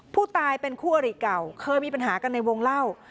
ผู้ตายเป็นคู่อริเก่าเคยมีปัญหากันในวงเล่า